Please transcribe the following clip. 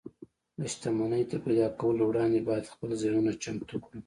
د شتمنۍ تر پيدا کولو وړاندې بايد خپل ذهنونه چمتو کړو.